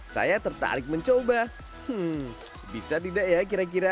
sebelum dibungkus dodol digunting terlebih dahulu sesuai dengan keinginan